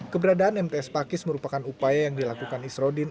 keberadaan mts pakis merupakan upaya yang dilakukan isrodin